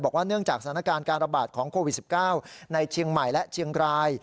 เนื่องจากสถานการณ์การระบาดของโควิด๑๙ในเชียงใหม่และเชียงราย